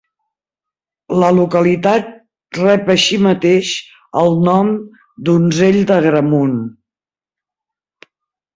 La localitat rep, així mateix, el nom Donzell d'Agramunt.